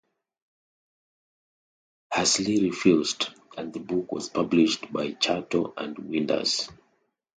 Huxley refused, and the book was published by Chatto and Windus.